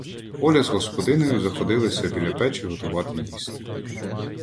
Оля з господинею заходилися біля печі готувати їсти.